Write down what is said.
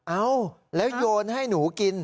เอ้าแล้วโยนให้หนูกิน